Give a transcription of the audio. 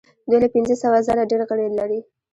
دوی له پنځه سوه زره ډیر غړي لري.